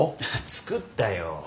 作ったよ。